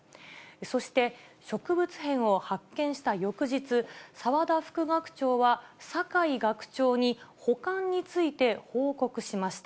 そして、植物片を発見した翌日、澤田副学長は酒井学長に保管について報告しました。